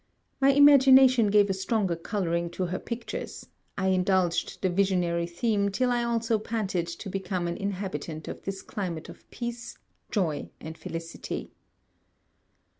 My imagination gave a stronger colouring to her pictures: I indulged the visionary theme till I also panted to become an inhabitant of this climate of peace, joy and felicity.